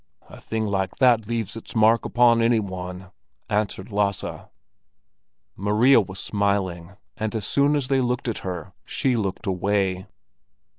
A thing like that leaves its mark upon any one," answered Lasse. Maria was smiling, and as soon as they looked at her, she looked away.